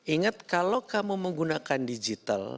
ingat kalau kamu menggunakan digital